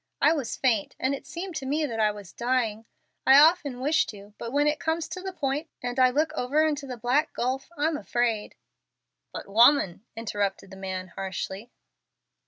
I was faint, and it seemed to me that I was dying. I often wish to, but when it comes to the point and I look over into the black gulf, I'm afraid " "But, woman " interrupted the man, harshly.